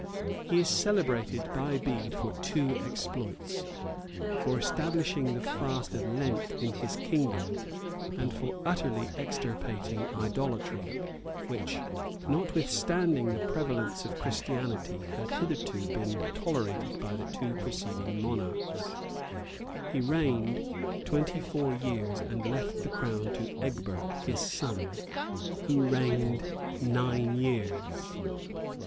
He is celebrated by Bede for two exploits for establishing the fast of Lent in his kingdom, and for utterly extirpating idolatry, which, notwithstanding the prevalence of Christianity, had hitherto been tolerated by the two preceding monarchs. He reigned twenty four years, and left the crown to Egbert, his son, who reigned nine years.